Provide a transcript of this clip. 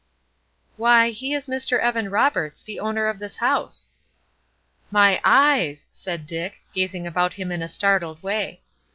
"Why, he is Mr. Evan Roberts, the owner of this house." "My eyes!" said Dick, gazing about him in a startled way.